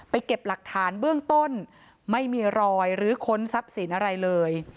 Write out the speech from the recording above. เก็บหลักฐานเบื้องต้นไม่มีรอยหรือค้นทรัพย์สินอะไรเลย